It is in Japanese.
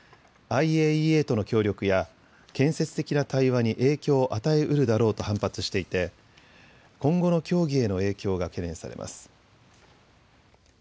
ＩＡＥＡとの協力や建設的な対話に影響を与えうるだろうと反発していて今後の協議への影響が懸念されます。